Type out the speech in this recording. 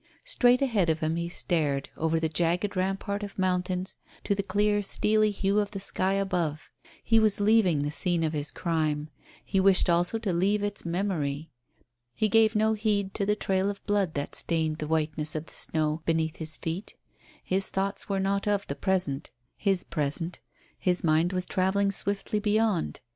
Straight ahead of him he stared, over the jagged rampart of mountains to the clear steely hue of the sky above. He was leaving the scene of his crime; he wished also to leave its memory. He gave no heed to the trail of blood that stained the whiteness of the snow beneath his feet; his thoughts were not of the present his present; his mind was travelling swiftly beyond.